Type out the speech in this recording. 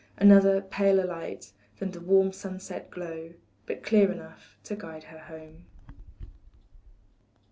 Another, paler light, than the warm sunset glow, But clear enough to guide her home.